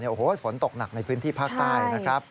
โอ้โหฝนตกหนักในพื้นที่ภาคใต้นะครับ